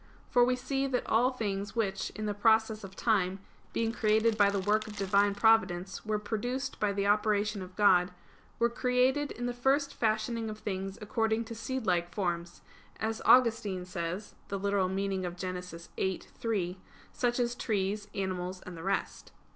For we see that all things which, in the process of time, being created by the work of Divine Providence, were produced by the operation of God, were created in the first fashioning of things according to seedlike forms, as Augustine says (Gen. ad lit. viii, 3), such as trees, animals, and the rest.